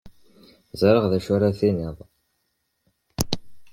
ẒriƔ dacu ara d-tiniḍ.